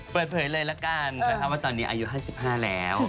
เปิดเผยเลยละกันว่าตอนนี้อายุ๕๕แล้ว